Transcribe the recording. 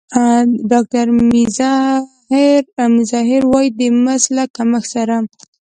ډاکتر میزهر وايي د مس له کمښت سره